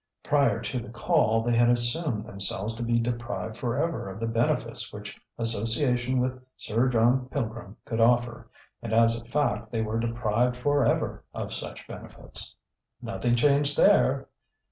Prior to the call they had assumed themselves to be deprived forever of the benefits which association with Sir John Pilgrim could offer, and as a fact they were deprived forever of such benefits. Nothing changed there!